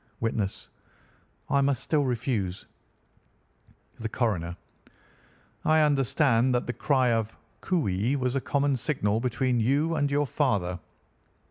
"Witness: I must still refuse. "The Coroner: I understand that the cry of 'Cooee' was a common signal between you and your father?